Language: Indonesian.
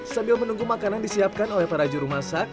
sambil menunggu makanan disiapkan oleh para juru masak